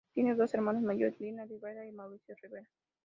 Tiene dos hermanos mayores Lina Rivera y Mauricio Rivera.